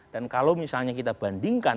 dan kalau misalnya kita bandingkan